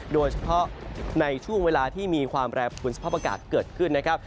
โดยเฉพาะในช่วงเวลาที่มีความแปรปวนสภาพอากาศเกิดขึ้นนะครับ